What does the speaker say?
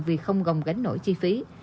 vì không gồng gánh nổi chi phí